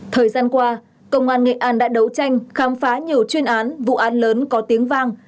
thời gian qua công an nghệ an đã đấu tranh khám phá nhiều chuyên án vụ án lớn có tiếng vang